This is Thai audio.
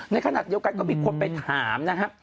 ในขณะเดียวกันก็มีคนไปถามนะครับ